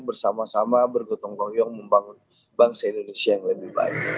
bersama sama bergotong royong membangun bangsa indonesia yang lebih baik